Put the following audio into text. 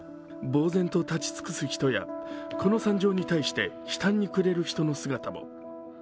ぼう然と立ち尽くす人やこの惨状に対して悲嘆に暮れる人の姿も。